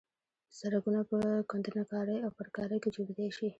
سرکونه په کندنکارۍ او پرکارۍ کې جوړېدای شي